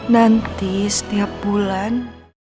nanti setiap bulan